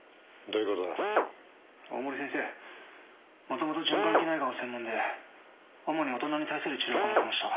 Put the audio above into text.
もともと循環器内科がご専門で主に大人に対する治療を行ってました。